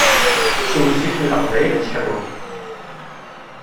Sew zzit n leqbayel ad teḥluḍ!